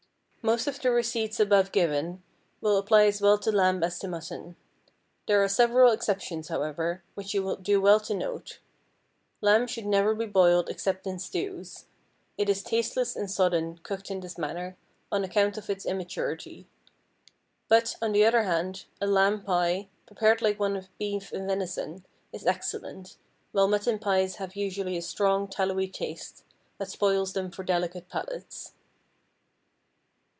Most of the receipts above given will apply as well to lamb as to mutton. There are several exceptions, however, which you will do well to note. Lamb should never be boiled except in stews. It is tasteless and sodden cooked in this manner, on account of its immaturity. But, on the other hand, a lamb pie, prepared like one of beef or venison, is excellent, while mutton pies have usually a strong, tallowy taste, that spoils them for delicate palates.